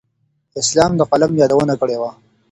اسلام د قلم یادونه کړې وه.